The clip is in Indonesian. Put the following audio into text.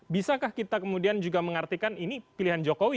bisakah kita kemudian juga mengartikan ini pilihan jokowi